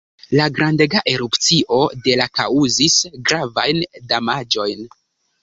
La grandega erupcio de la kaŭzis gravajn damaĝojn.